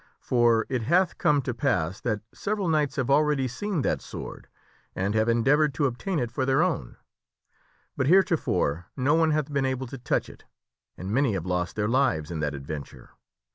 For it hath come to pass that several knights have already seen that sword and have endeavored to obtain it for their own, but, heretofore, no one hath been able to touch it, and many have lost their lives in that adventure.